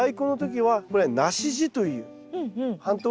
はい。